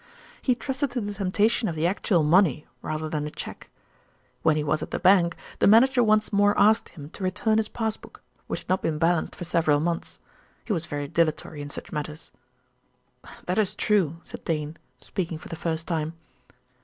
He trusted to the temptation of the actual money rather than a cheque. When he was at the bank the manager once more asked him to return his pass book, which had not been balanced for several months. He was very dilatory in such matters." "That is true," said Dane, speaking for the first time.